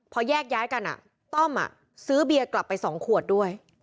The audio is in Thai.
พอแยกย้ายกันต้อมซื้อเบียร์กลับไป๒ขวดด้วย